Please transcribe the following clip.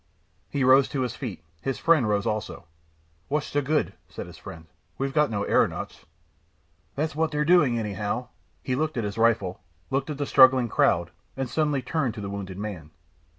He rose to his feet, his friend rose also. "What's the good?" said his friend. "We've got no aeronauts." "That's what they're doing anyhow." He looked at his rifle, looked at the struggling crowd, and suddenly turned to the wounded man.